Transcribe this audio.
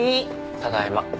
ただいま。